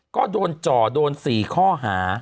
ก็โดนจ่อโดน๔ข้อหา